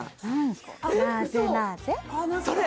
それ！